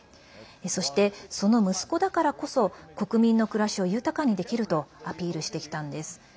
そして、その息子だからこそ国民の暮らしを豊かにできるとアピールしてきたんです。